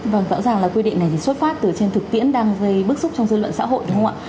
vâng rõ ràng là quy định này thì xuất phát từ trên thực tiễn đang gây bức xúc trong dân luận xã hội